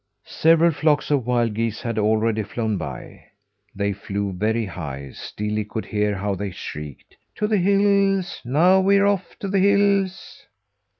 Several flocks of wild geese had already flown by. They flew very high, still he could hear how they shrieked: "To the hills! Now we're off to the hills!"